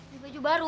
duit baju baru